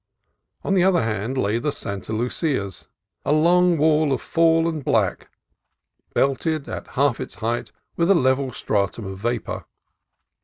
On the other hand lay the Santa Lucias, a long wall of fawn and black, belted at half its height with a level stratum of vapor.